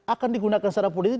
akan digunakan secara politik